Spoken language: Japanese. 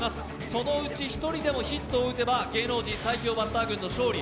そのうち１人でもヒットを打てば芸能人最強バッター軍の勝利。